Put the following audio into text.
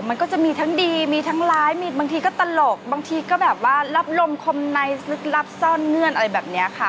มันก็จะมีทั้งดีมีทั้งร้ายมีบางทีก็ตลกบางทีก็แบบว่ารับลมคมไนท์ลึกลับซ่อนเงื่อนอะไรแบบนี้ค่ะ